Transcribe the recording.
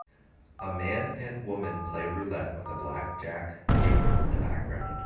A man and woman play roulette with a blackjack table in the background.